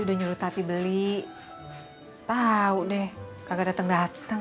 udah nyuruh tapi beli tahu deh kagak dateng dateng